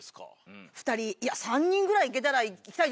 ２人いや３人ぐらいいけたらいきたいですね。